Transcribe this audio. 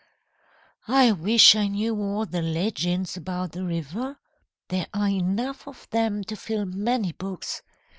"I wish I knew all the legends about the river. There are enough of them to fill many books.